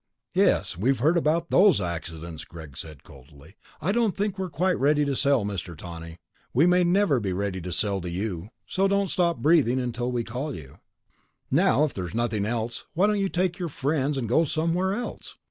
"Yes, we've heard about those accidents," Greg said coldly. "I don't think we're quite ready to sell, Mr. Tawney. We may never be ready to sell to you, so don't stop breathing until we call you. Now if there's nothing else, why don't you take your friends and go somewhere else?"